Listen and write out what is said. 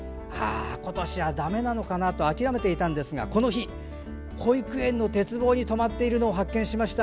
今年はだめかなと諦めていたんですがこの日、保育園の鉄棒に止まっているのを発見しました。